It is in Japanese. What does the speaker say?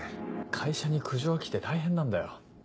会社に苦情が来て大変なんだよ。